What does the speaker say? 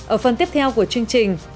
ở phần tiếp theo của chương trình